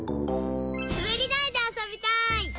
すべりだいであそびたい。